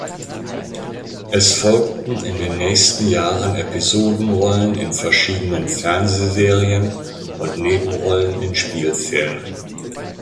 Es folgten in den nächsten Jahren Episodenrollen in verschiedenen Fernsehserien und Nebenrollen in Spielfilmen.